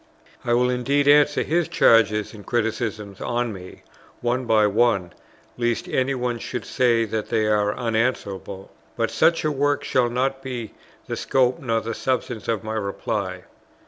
I will indeed answer his charges and criticisms on me one by one, lest any one should say that they are unanswerable, but such a work shall not be the scope nor the substance of my reply.